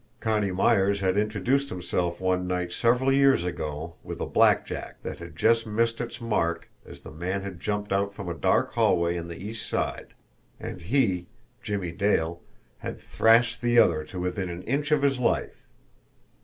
Connie Myers had introduced himself one night several years ago with a blackjack that had just missed its mark as the man had jumped out from a dark alleyway on the East Side, and he, Jimmie Dale, had thrashed the other to within an inch of his life.